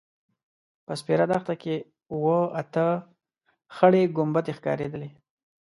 په سپېره دښته کې اوه – اته خړې کومبدې ښکارېدلې.